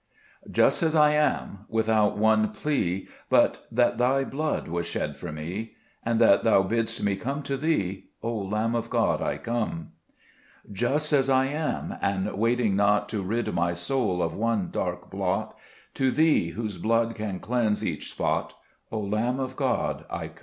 JUST as I am, without one plea *J But that Thy blood was shed for me, And that Thou bidd'st me come to Thee, O Lamb of God, I come. 2 Just as I am, and waiting not To rid my soul of one dark blot, To Thee, whose blood can cleanse each spot, O Lamb of God, I come.